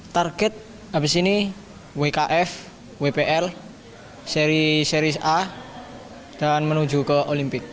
target habis ini wkf wpl seri seri a dan menuju ke olimpik